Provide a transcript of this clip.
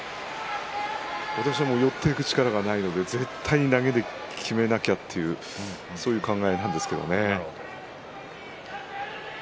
私は寄っていく力がないので絶対に投げできめなければとそういう考えなんですけれど。